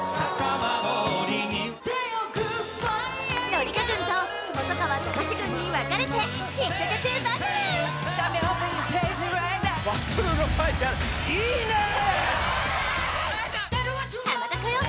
紀香軍と細川たかし軍に分かれてヒット曲バトル・いいねえ！